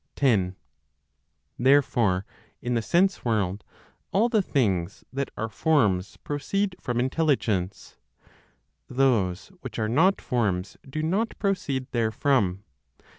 10. Therefore, in the sense world, all the things that are forms proceed from intelligence; those which are not forms do not proceed therefrom.